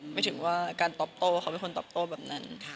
ไม่ถึงว่าการตอบโต้ว่าเขาเป็นคนตอบโต้แบบนั้น